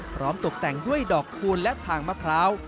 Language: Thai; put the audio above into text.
ตกแต่งด้วยดอกคูณและทางมะพร้าว